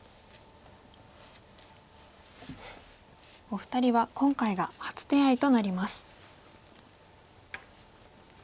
お二人は今回が初手合となります。